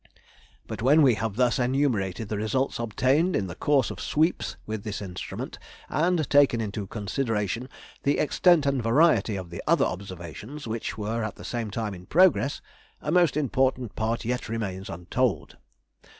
But when we have thus enumerated the results obtained in the course of sweeps with this instrument, and taken into consideration the extent and variety of the other observations which were at the same time in progress, a most important part yet remains untold.